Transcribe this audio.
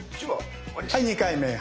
２回目。